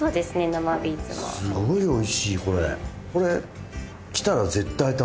すごいおいしいこれ。